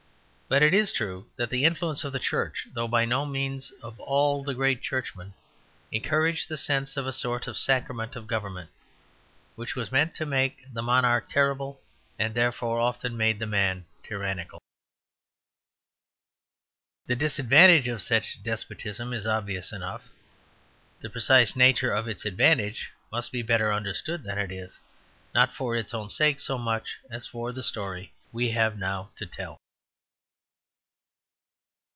But it is true that the influence of the Church, though by no means of all the great churchmen, encouraged the sense of a sort of sacrament of government, which was meant to make the monarch terrible and therefore often made the man tyrannical. The disadvantage of such despotism is obvious enough. The precise nature of its advantage must be better understood than it is, not for its own sake so much as for the story we have now to tell.